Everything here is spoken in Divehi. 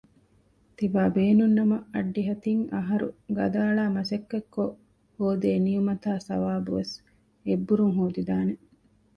ތިބާބޭނުންނަމަ އައްޑިހަ ތިން އަހަރު ގަދައަޅާ މަސައްކަތްކޮށް ހޯދޭ ނިޢުމަތާއި ޘަވާބުވެސް އެއްބުރުން ހޯދިދާނެ